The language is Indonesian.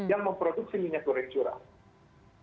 yang memproduksi minyak goreng curah